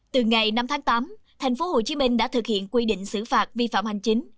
từ ngày năm tháng tám thành phố hồ chí minh đã thực hiện quy định xử phạt vi phạm hành chính